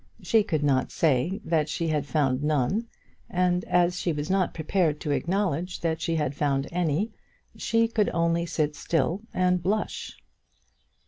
She could not say that she had found none, and as she was not prepared to acknowledge that she had found any, she could only sit still and blush.